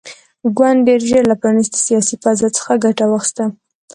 ګوند ډېر ژر له پرانیستې سیاسي فضا څخه ګټه واخیسته.